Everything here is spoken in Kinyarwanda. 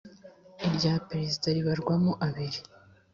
irya perezida ribarwamo abiri .